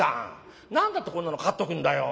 何だってこんなの飼っとくんだよ。